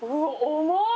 重い。